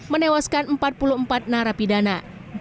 menewaskan empat puluh empat narapidana